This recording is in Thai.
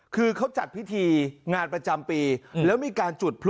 คือเขาจัดพิธีงานประจำปีแล้วมีการจุดพลุ